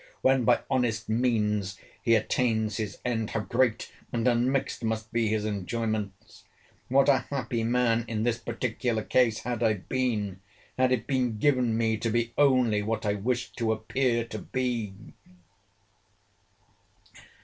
When, by honest means, he attains his end, how great and unmixed must be his enjoyments! What a happy man, in this particular case, had I been, had it been given me to be only what I wished to appear to be!"